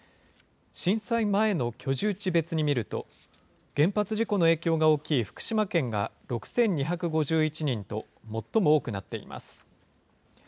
震災前の居住地別に見ると、原発事故の影響が大きい福島県が６２５１人と最も多くなっています。